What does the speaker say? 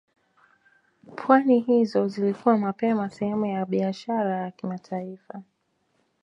Pwani hizo zilikuwa mapema sehemu ya biashara ya kimataifa